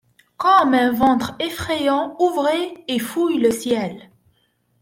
Comme un ventre effrayant ouvré et fouille le ciel.